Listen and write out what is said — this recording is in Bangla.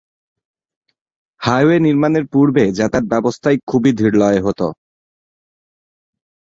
হাইওয়ে নির্মাণের পূর্বে যাতায়াত ব্যবস্থায় খুবই ধীরলয়ে হতো।